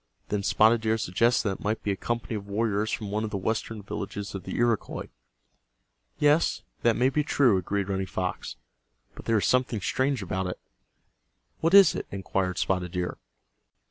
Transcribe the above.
Then Spotted Deer suggested that it might be a company of warriors from one of the western villages of the Iroquois. "Yes, that may be true," agreed Running Fox. "But there is something strange about it." "What is it?" inquired Spotted Deer.